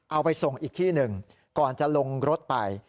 เอาไปส่งอีกที่หนึ่งก่อนจะลงรถไป